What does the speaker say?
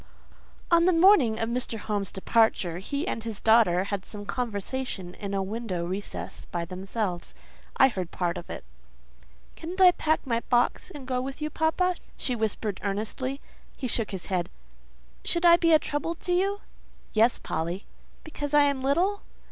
On the morning of Mr. Home's departure, he and his daughter had some conversation in a window recess by themselves; I heard part of it. "Couldn't I pack my box and go with you, papa?" she whispered earnestly. He shook his head. "Should I be a trouble to you?" "Yes, Polly." "Because I am little?"